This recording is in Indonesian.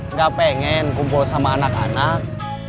nggak pengen kumpul sama anak anak